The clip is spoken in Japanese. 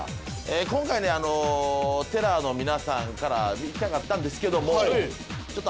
今回ねテラーの皆さんからいきたかったんですけどもちょっと。